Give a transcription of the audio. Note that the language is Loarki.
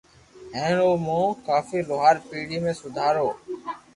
ھين او مون ڪافي لوھار پيڙي ۾ سودھارو